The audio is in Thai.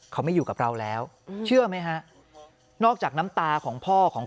เขาไม่อยู่กับเราแล้วเชื่อไหมฮะนอกจากน้ำตาของพ่อของ